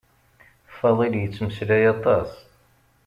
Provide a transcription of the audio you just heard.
Faḍil yettmeslay aṭas.